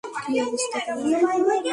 কী অবস্থা তোমার?